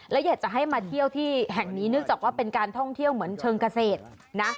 และอยากจะให้มาเที่ยวที่แห่งนี้เนื่องจากว่าเป็นการท่องเที่ยวเหมือนเชิงเกษตรนะ